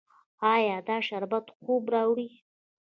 ایا دا شربت خوب راوړي؟